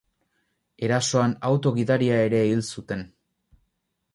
Erasoan auto gidaria ere hil zuten.